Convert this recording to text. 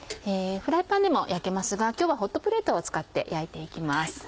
フライパンでも焼けますが今日はホットプレートを使って焼いて行きます。